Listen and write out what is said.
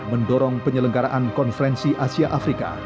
mendorong penyelenggaraan konferensi asia afrika